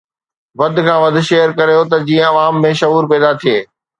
وڌ کان وڌ شيئر ڪريو ته جيئن عوام ۾ شعور پيدا ٿئي